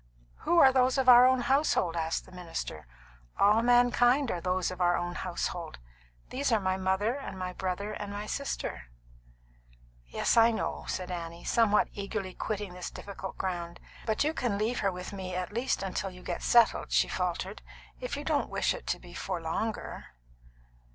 "Who are those of our own household?" asked the minister. "All mankind are those of our own household. These are my mother and my brother and my sister." "Yes, I know," said Annie, somewhat eagerly quitting this difficult ground. "But you can leave her with me at least till you get settled," she faltered, "if you don't wish it to be for longer."